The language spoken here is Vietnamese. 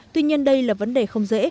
tuy nhiên đây là vấn đề không dễ